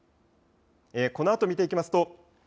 このあと見ていきますと